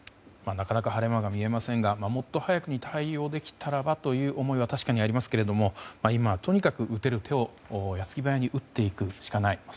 なかなか晴れ間が見えませんがもっと早くに対応できたらばという思いは確かにありますが今はとにかく打てる手を矢継ぎ早に打っていくしかない。